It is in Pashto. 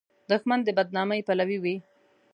دښمن د بد نامۍ پلوی وي